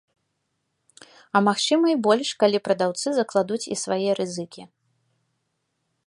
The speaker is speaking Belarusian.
А магчыма і больш, калі прадаўцы закладуць і свае рызыкі.